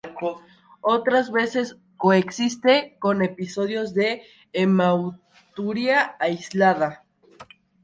Otras veces coexiste con episodios de hematuria aislada’.